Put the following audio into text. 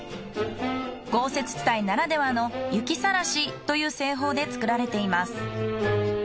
豪雪地帯ならではの雪さらしという製法で作られています。